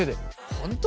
本当？